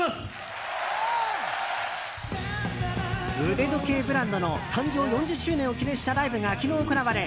腕時計ブランドの誕生４０周年を記念したライブが昨日行われ